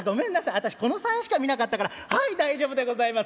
あたしこの３円しか見なかったからはい大丈夫でございます！」。